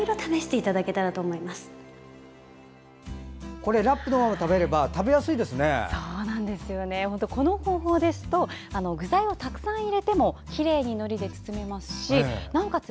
これ、ラップのまま食べればこの方法ですと具材をたくさん入れてもきれいにのりで包めますしなおかつ